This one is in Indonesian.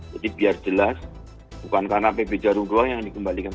jadi biar jelas bukan karena pb jarum doang yang dikembalikan